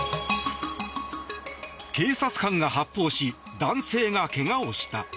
警察官が発砲し男性がけがをした。